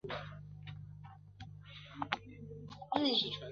白俄罗斯加盟苏联前时并没有国歌。